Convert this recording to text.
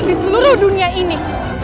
dan digmar di seluruh dunia ini